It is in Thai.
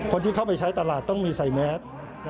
คนที่เข้าไปใช้ตลาดต้องมีใส่แมส